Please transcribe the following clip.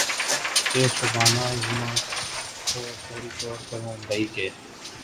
کہ شبانہ اعظمی کو فوری طور پر ممبئی کے